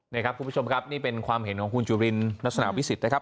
นี่ครับคุณผู้ชมครับนี่เป็นความเห็นของคุณจุลินลักษณะวิสิทธินะครับ